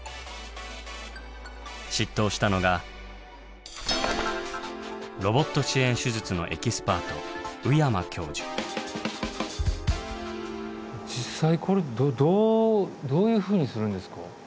執刀したのがロボット支援手術のエキスパート実際これどういうふうにするんですか？